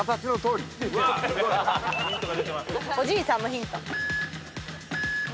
おじいさんのヒント。